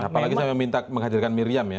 apalagi saya meminta menghadirkan miriam ya